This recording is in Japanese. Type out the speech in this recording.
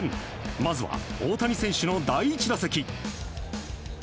まずは大谷選手の第１打席。